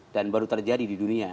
dan baru terjadi di dunia